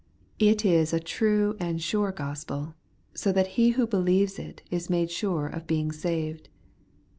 It is a true and sure gospel ; so that he who believes it is made sure of being saved.